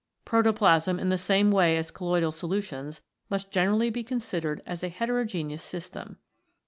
Protoplasm, in the same way as colloidal solutions, must generally be considered as a heterogeneous system.